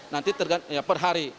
nanti per hari